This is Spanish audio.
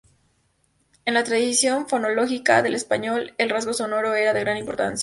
En la tradición fonológica del español, el rasgo sonoro era de gran importancia.